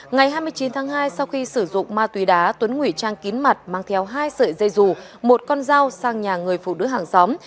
ngày hai mươi chín tháng hai sau khi sử dụng ma túy đá tuấn ngủy trang kín mặt mang theo hai sợi dây dù một con dao sang nhà người phụ nữ hàng xóm